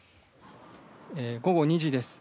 午後２時です。